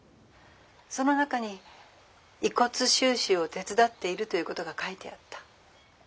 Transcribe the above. ☎その中に遺骨収集を手伝っているということが書いてあった。